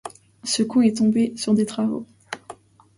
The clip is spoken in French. Ce con est tombé sur des travaux.